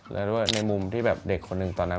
และรู้หรือว่าในมุมที่เด็กคนหนึ่งตอนนั้น